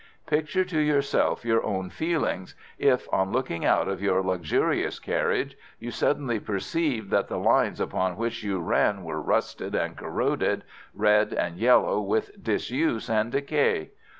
Picture to yourself your own feelings if, on looking out of your luxurious carriage, you suddenly perceived that the lines upon which you ran were rusted and corroded, red and yellow with disuse and decay!